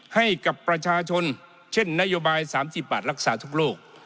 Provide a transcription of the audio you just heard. ให้กับประชาชนเช่นนโยบาย๓๐บาทรักษาทุกโรค